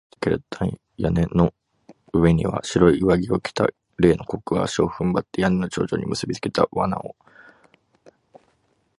探偵には見えませんでしたけれど、大屋根の上には、白い上着を着た例のコックが、足をふんばって、屋根の頂上にむすびつけた綱を、グングンと引きあげています。